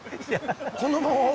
このまま俺。